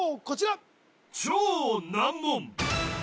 こちら